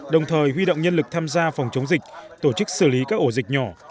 đồng thời huy động nhân lực tham gia phòng chống dịch tổ chức xử lý các ổ dịch nhỏ